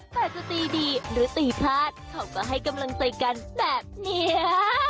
แต่จะตีดีหรือตีพลาดเขาก็ให้กำลังใจกันแบบนี้